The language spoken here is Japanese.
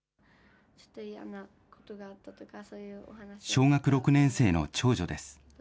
小学６年生の長女です。